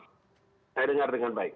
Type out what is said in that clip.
saya dengar dengan baik